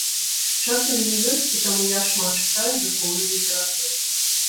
Час у мяне ёсць, і таму я шмат чытаю духоўнай літаратуры.